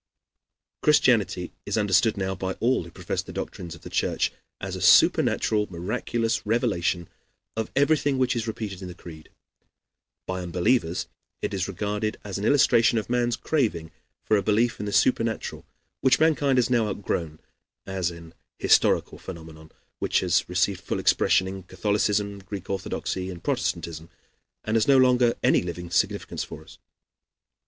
Christianity is understood now by all who profess the doctrines of the Church as a supernatural miraculous revelation of everything which is repeated in the Creed. By unbelievers it is regarded as an illustration of man's craving for a belief in the supernatural, which mankind has now outgrown, as an historical phenomenon which has received full expression in Catholicism, Greek Orthodoxy, and Protestantism, and has no longer any living significance for us.